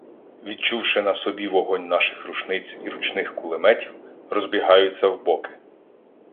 Відчувши на собі вогонь наших рушниць і ручних кулеметів, розбігаються в боки.